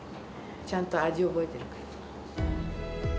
ちゃんと味、覚えてるから。